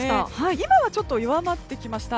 今はちょっと弱まってきました。